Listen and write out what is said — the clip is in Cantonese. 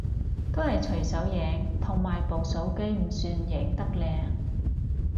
都係隨手影，同埋部手機唔算影得靚